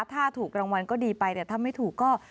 ถ้าถูกรางวัลก็ดีไปแต่ถ้าไม่ถูกก็